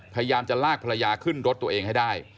พยายามจะลากภรรยาขึ้นรถตัวเองให้ได้